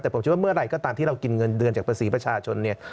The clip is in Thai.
แต่ผมคิดว่าเมื่อไหร่ก็ตามที่เรากินเงินเดือนจากภาษีประชาชนเนี่ย